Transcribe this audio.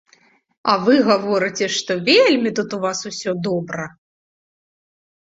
А вы гаворыце, што вельмі тут у вас усё добра.